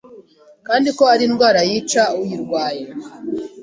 kandi ko ari indwara yica.uyirwaye